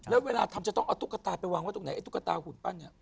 แล้วเวลาทำจะต้องเอาตุ๊กตาไปวางไว้ตรงไหนไอตุ๊กตาหุ่นปั้นเนี่ย